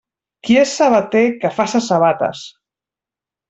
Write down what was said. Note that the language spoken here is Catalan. Qui és sabater que faça sabates.